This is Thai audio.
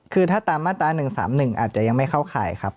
คือถ้าตามมาตรา๑๓๑อาจจะยังไม่เข้าข่ายครับ